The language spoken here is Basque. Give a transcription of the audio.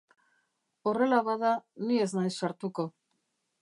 Horrela bada, ni ez naiz sartuko.